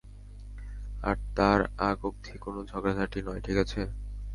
আর তার আগ অবধি কোনো ঝগড়াঝাঁটি নয়, ঠিক আছে?